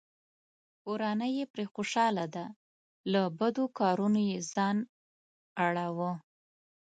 کورنۍ یې پرې خوشحاله ده؛ له بدو کارونو یې ځان اړووه.